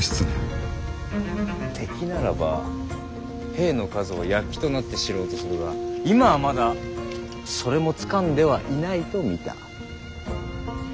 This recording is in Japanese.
敵ならば兵の数を躍起となって知ろうとするが今はまだそれもつかんではいないと見た。